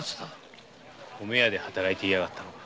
米屋で働いていたのか。